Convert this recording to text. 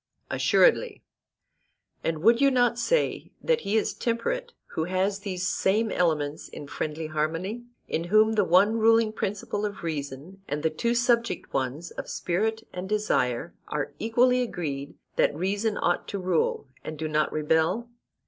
Assuredly. And would you not say that he is temperate who has these same elements in friendly harmony, in whom the one ruling principle of reason, and the two subject ones of spirit and desire are equally agreed that reason ought to rule, and do not rebel?